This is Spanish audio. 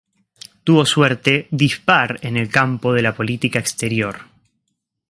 Tuvo suerte dispar en el campo de la política exterior.